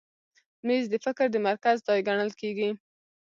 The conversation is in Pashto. مېز د فکر د مرکز ځای ګڼل کېږي.